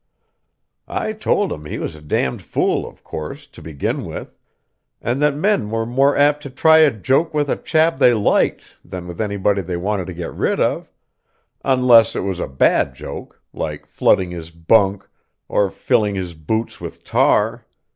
I told him he was a d d fool, of course, to begin with; and that men were more apt to try a joke with a chap they liked than with anybody they wanted to get rid of; unless it was a bad joke, like flooding his bunk, or filling his boots with tar.